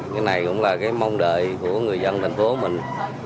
cái này cũng là cái mong đợi của người dân thành phố của mình